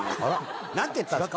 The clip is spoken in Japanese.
何て言ったんですか？